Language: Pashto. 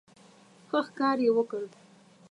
ښه ښکار یې وکړ.